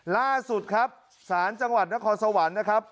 ล่าสุดครับศาลจังหวัดนครสวรรค์นะครับ